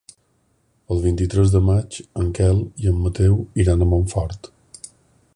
El vint-i-tres de maig en Quel i en Mateu iran a Montfort.